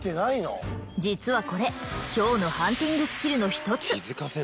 実はこれヒョウのハンティングスキルの一つ。